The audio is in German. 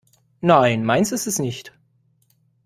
Nein, meins ist es nicht.